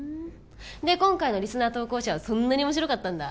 で今回のリスナー投稿者はそんなに面白かったんだ？